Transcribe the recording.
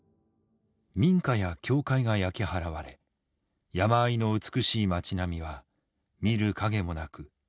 民家や教会が焼き払われ山あいの美しい町並みは見る影もなく破壊されていた。